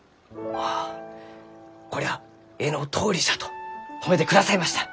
あこりゃあ絵のとおりじゃ」と褒めてくださいました！